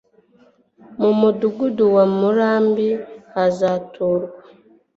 mu Mudugudu wa Murambi hazaturwa,